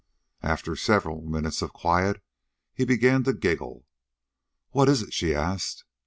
After several minutes of quiet, he began to giggle. "What is it?" she asked.